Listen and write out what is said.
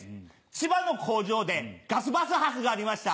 千葉の工場でガスバスハスがありました。